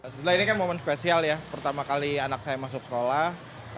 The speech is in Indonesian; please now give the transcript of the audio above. sebenarnya ini kan momen spesial ya pertama kali anak saya masuk sekolah